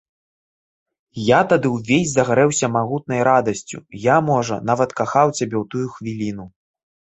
Я тады ўвесь загарэўся магутнай радасцю, я, можа, нават кахаў цябе ў тую хвіліну.